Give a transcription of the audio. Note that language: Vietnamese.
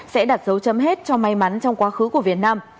sẽ đặt dấu chấm hết cho may mắn trong quá khứ của việt nam